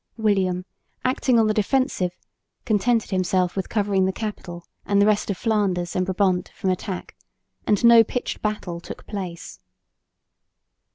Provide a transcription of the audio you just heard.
William, acting on the defensive, contented himself with covering the capital and the rest of Flanders and Brabant from attack; and no pitched battle took place.